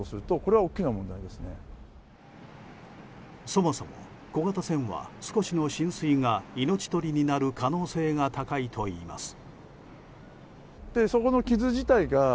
そもそも小型船は少しの浸水が命取りになる可能性が高いといいます。